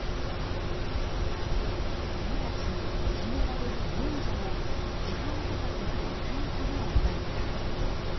鬼たちにいじめられる亡者を地蔵菩薩が救うさまを描いています。